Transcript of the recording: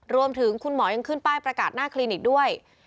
รวมถึงคุณหมอยังขึ้นป้ายประกาศหน้าคลินิกด้วย